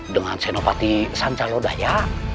dengan senopati sancanglodaya